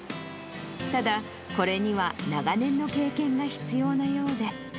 ただ、これには長年の経験が必要なようで。